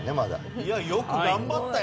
いやよく頑張ったよ